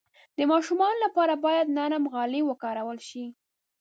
د ماشومانو لپاره باید نرم غالۍ وکارول شي.